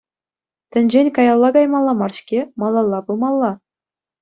Тӗнчен каялла каймалла мар-ҫке, малалла пымалла.